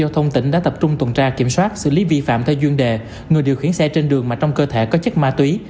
trong đó tập trung xử lý người điều khiển xe mà trên đường trong cơ thể có chất ma túy